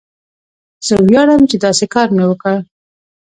زه ویاړم چې داسې کار مې وکړ.